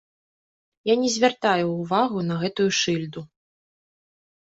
Я не звяртаю ўвагу на гэтую шыльду.